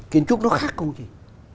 kiến trúc nó khác công trình